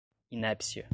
inépcia